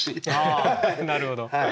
なるほど。